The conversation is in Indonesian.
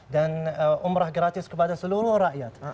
dan umroh gratis kepada seluruh rakyat